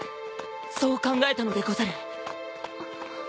そう考えたのでござる。